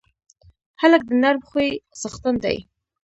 هلک د نرم خوی څښتن دی.